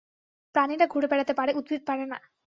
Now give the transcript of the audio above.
প্রাণীরা ঘুরে বেড়াতে পারে, উদ্ভিদ পারে না।